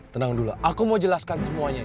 tenang dulu aku mau jelaskan semuanya